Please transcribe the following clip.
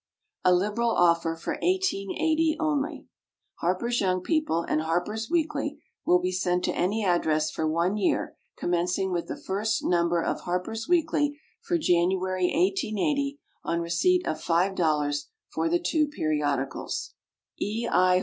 A LIBERAL OFFER FOR 1880 ONLY. HARPER'S YOUNG PEOPLE and HARPER'S WEEKLY will be sent to any address for one year, commencing with the first Number of HARPER'S WEEKLY for January, 1880, on receipt of $5.00 for the two Periodicals. E. I.